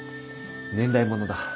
年代物だ。